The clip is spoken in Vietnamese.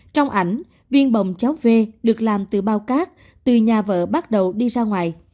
trong ảnh viên bồng cháu v được làm từ bao cát từ nhà vợ bắt đầu đi ra ngoài